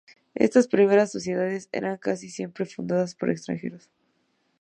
Estas primeras sociedades eran casi siempre fundadas por extranjeros.